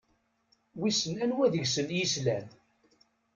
Wissen anwa deg-sen i yeslan?